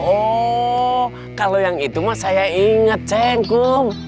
oh kalau yang itu mas saya ingat cengkum